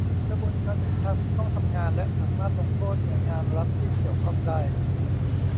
กระบวนการยุติธรรมต้องทำงานและสามารถลงโทษหน่วยงานรัฐที่เกี่ยวข้องได้